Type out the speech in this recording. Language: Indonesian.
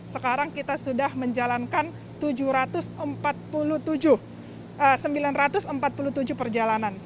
sekarang kita sudah menjalankan sembilan ratus empat puluh tujuh perjalanan